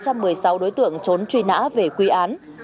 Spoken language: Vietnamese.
trong đó ba trăm một mươi sáu đối tượng trốn truy nã về quy án